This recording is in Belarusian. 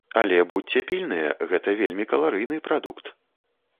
Але будзьце пільныя, гэта вельмі каларыйны прадукт.